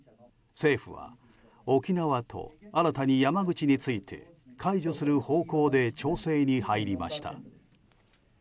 政府は、沖縄と新たに山口について解除する方向で調整に入りました。